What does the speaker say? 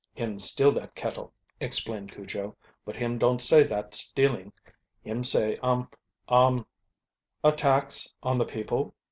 "Him steal dat cattle," explained Cujo, "but him don't say dat stealin', him say um um " "A tax on the people?"